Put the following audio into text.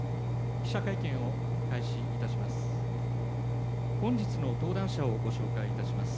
記者会見を開始いたします。